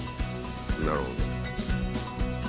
なるほど。